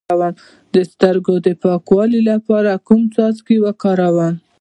د سترګو د پاکوالي لپاره کوم څاڅکي وکاروم؟